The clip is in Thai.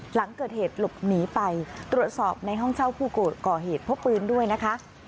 หลังเกิดเหตุตรวจสอบให้สีลบหนีไปในห้องเช่าผู้ก่อเหตุพบพื้นด้วยนะคะ